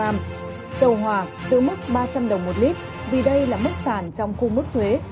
dầu hỏa giữ mức ba trăm linh đồng một lít vì đây là mức sàn trong khung mức thuế